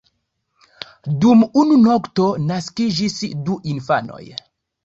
Dum unu nokto naskiĝis du infanoj.